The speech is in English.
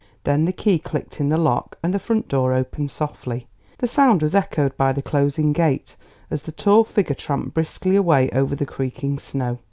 Then the key clicked in the lock and the front door opened softly; the sound was echoed by the closing gate, as the tall figure tramped briskly away over the creaking snow.